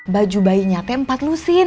baju bayinya empat lusin